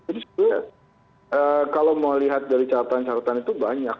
jadi sebenarnya kalau mau lihat dari catatan catatan itu banyak